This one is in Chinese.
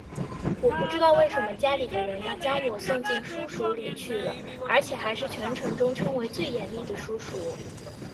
我不知道为什么家里的人要将我送进书塾里去了而且还是全城中称为最严厉的书塾